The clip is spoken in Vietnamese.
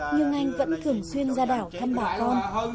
nhưng anh vẫn thường xuyên ra đảo thăm bà con